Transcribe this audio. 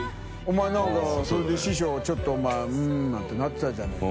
なんかそれで師匠ちょっとお前うん」なんてなってたじゃねぇか。